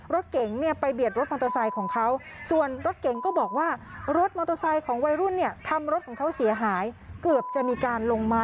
รถเก่งไปเบียดรถมอเตอร์ไซค์ของเขา